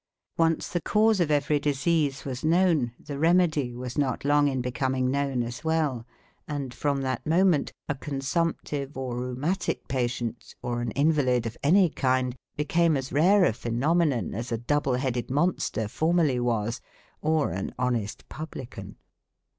Once the cause of every disease was known, the remedy was not long in becoming known as well, and from that moment, a consumptive or rheumatic patient, or an invalid of any kind became as rare a phenomenon as a double headed monster formerly was, or an honest publican.